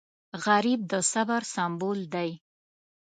غریب د صبر سمبول دی